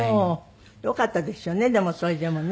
よかったですよねでもそれでもね。